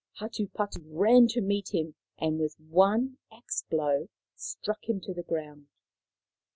Hatupatu ran to meet him, and with one axe blow struck him to the ground.